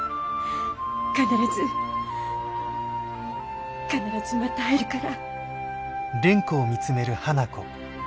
必ず必ずまた会えるから。